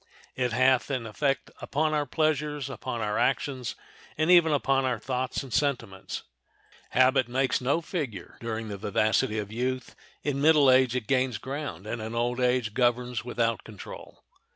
It hath an effect upon our pleasures, upon our actions, and even upon our thoughts and sentiments." Habit makes no figure during the vivacity of youth, in middle age it gains ground, and in old age governs without control.